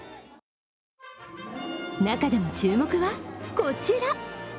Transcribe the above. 中でも注目は、こちら。